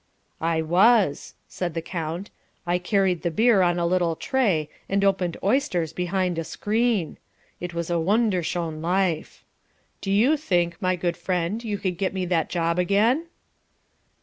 "I was," said the count. "I carried the beer on a little tray and opened oysters behind a screen. It was a wunderschoen life. Do you think, my good friend, you could get me that job again?"